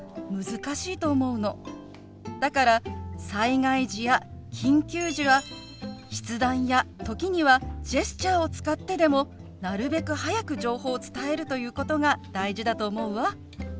だから災害時や緊急時は筆談や時にはジェスチャーを使ってでもなるべく早く情報を伝えるということが大事だと思うわ。